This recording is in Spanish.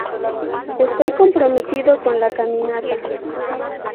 Estoy comprometido con la caminata".